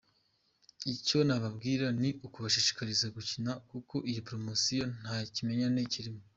Icyo nababwira ni ukubashishikariza gukina kuko iyi poromosiyo nta kimenyane kirimo.